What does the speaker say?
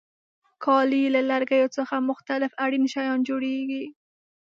کالي له لرګیو څخه مختلف اړین شیان جوړیږي.